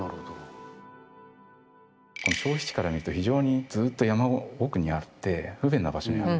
消費地から見ると非常にずっと山奥にあって不便な場所にある。